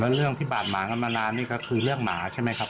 แล้วเรื่องที่บาดหมางกันมานานนี่ก็คือเรื่องหมาใช่ไหมครับ